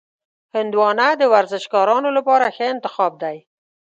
هندوانه د ورزشکارانو لپاره ښه انتخاب دی.